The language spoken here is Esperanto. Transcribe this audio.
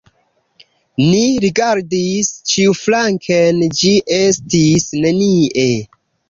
Ni rigardis ĉiuflanken – ĝi estis nenie!